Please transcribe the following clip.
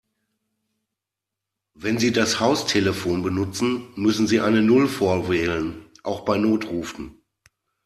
Wenn Sie das Haustelefon benutzen, müssen Sie eine Null vorwählen, auch bei Notrufen.